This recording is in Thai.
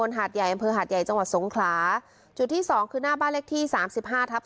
สังฆาธารหรือผ้าไตรจำหน่ายสังฆาธารหรือผ้าไตรจำหน่าย